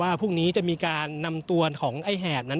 ว่าพวกนี้จะมีการนำตัวของอายแหดนั้น